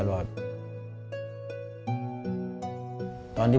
พ่อลูกรู้สึกปวดหัวมาก